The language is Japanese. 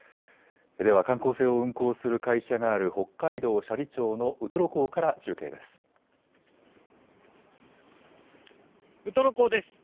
では、観光船を運航する会社がある北海道斜里町のウトロ港から中ウトロ港です。